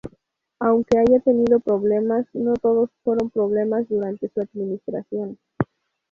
Aunque haya tenido problemas, no todo fueron problemas durante su administración.